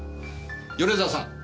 米沢さん！